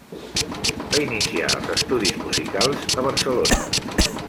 Va iniciar els estudis musicals a Barcelona.